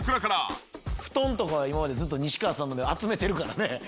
布団とかは今までずっと西川さんので集めてるからね。